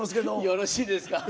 よろしいですか？